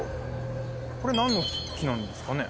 これ何の木なんですかね？